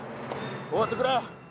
終わってくれ！